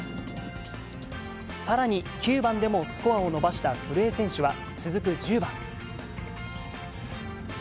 さらに、９番でもスコアを伸ばした古江選手は、続く１０番。